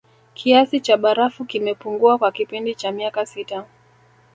Kiasi cha barafu kimepungua kwa kipindi cha miaka sita